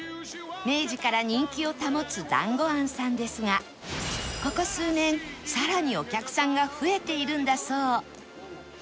明治から人気を保つだんごあんさんですがここ数年さらにお客さんが増えているんだそう